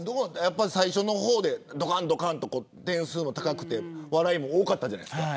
最初の方で点数も高くて笑いも多かったじゃないですか。